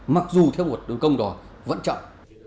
mặc dù theo một đường công đó vẫn chậm